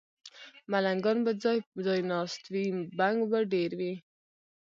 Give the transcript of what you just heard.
ملنګان به ځای، ځای ناست وي، بنګ به ډېر وي